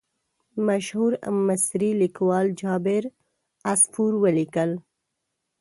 مشهور مصري لیکوال جابر عصفور ولیکل.